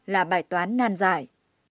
là bài toán nan giải